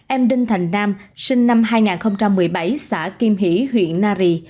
em đinh thành nam sinh năm hai nghìn một mươi hai